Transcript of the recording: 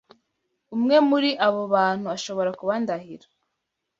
Umwe muri abo bantu ashobora kuba Ndahiro .